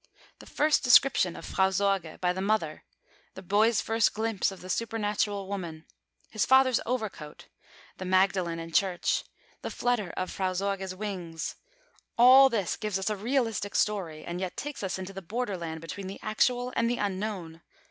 The first description of Frau Sorge by the mother, the boy's first glimpse of the supernatural woman, his father's overcoat, the Magdalene in church, the flutter of Frau Sorge's wings, all this gives us a realistic story, and yet takes us into the borderland between the actual and the unknown.